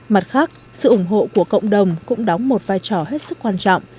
mặt khác sự ủng hộ của cộng đồng cũng đóng một vai trò hết sức quan trọng